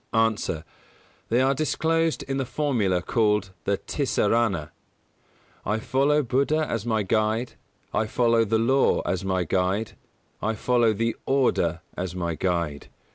_ A. They are disclosed in the formula called the Tisarana: "I follow Buddha as my Guide: I follow the Law as my Guide: I follow the Order as my Guide."